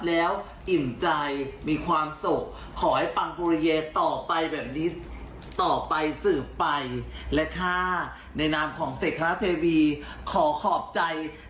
และข้าในน้ำของเศรษฐราชาติพริกราชาขอขอบจ้าย